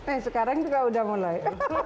eh sekarang juga udah mulai